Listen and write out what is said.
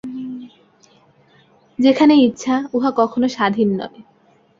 যেখানেই ইচ্ছা, উহা কখনও স্বাধীন নয়।